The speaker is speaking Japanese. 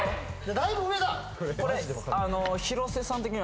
だいぶ上だ金額